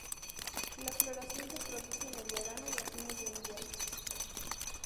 La floración se produce en el verano y a fines de invierno.